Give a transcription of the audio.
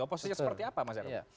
oposisi seperti apa mas herwi